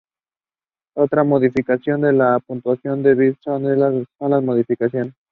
Otra modificación de la puntuación del Bishop son los modificadores.